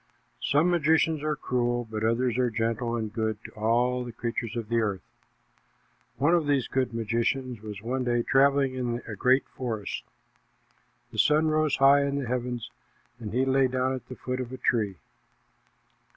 Some magicians are cruel, but others are gentle and good to all the creatures of the earth. One of these good magicians was one day traveling in a great forest. The sun rose high in the heavens, and he lay down at the foot of a tree.